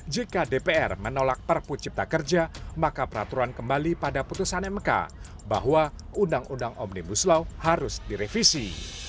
jika dpr menolak perpu cipta kerja maka peraturan kembali pada putusan mk bahwa undang undang omnibus law harus direvisi